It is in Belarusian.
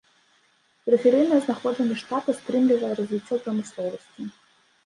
Перыферыйнае знаходжанне штата стрымлівае развіццё прамысловасці.